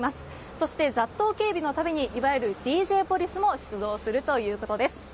そして、雑踏警備のために、いわゆるＤＪポリスも出動するということです。